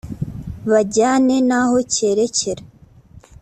bajyane naho cyerekera